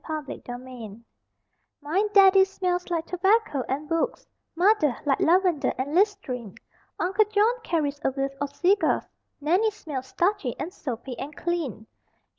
_ SMELLS (JUNIOR) My Daddy smells like tobacco and books, Mother, like lavender and listerine; Uncle John carries a whiff of cigars, Nannie smells starchy and soapy and clean.